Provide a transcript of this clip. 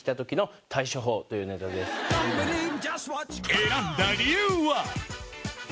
選んだ理由は？